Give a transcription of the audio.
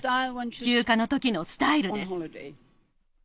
休暇のときのスタイルです。